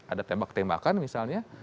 ada tembak ketembakan misalnya